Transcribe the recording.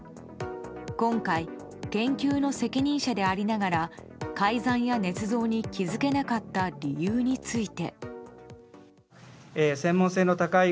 今回、研究の責任者でありながら改ざんやねつ造に気づけなかった理由について。